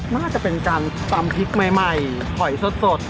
น่าจะเป็นการตำพริกใหม่หอยสด